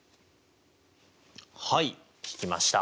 はい引きました。